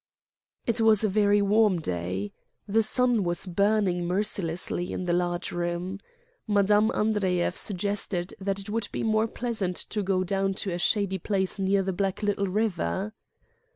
It was a very warm day. The sun was burning mercilessly in the large room. Mme. Andreyev suggested that it would be more pleasant to go down to a shady place near the Black Little Eiver.